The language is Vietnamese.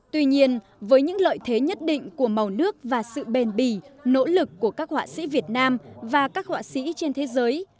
tuy nhiên với những lợi thế nhất định của màu nước và sự bền bỉ nỗ lực của các họa sĩ việt nam và các họa sĩ trên thế giới